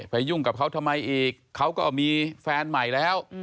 ยุ่งกับเขาทำไมอีกเขาก็มีแฟนใหม่แล้ว